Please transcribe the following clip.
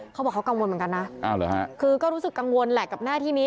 เขาบอกเขากังวลเหมือนกันนะคือก็รู้สึกกังวลแหละกับหน้าที่นี้